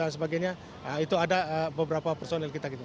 sebagainya itu ada beberapa personil kita gitu